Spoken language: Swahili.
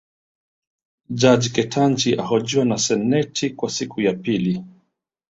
Jaji Ketanji ahojiwa na seneti kwa siku ya pili